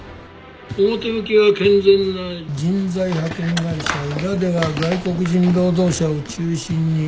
表向きは健全な人材派遣会社裏では外国人労働者を中心に人身売買やってる。